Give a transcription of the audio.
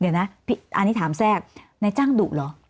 เดี๋ยวนะอันนี้ถามแทรกในจ้างดุเหรอ